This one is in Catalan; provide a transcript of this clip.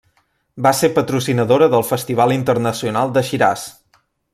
Va ser patrocinadora del festival internacional de Shiraz.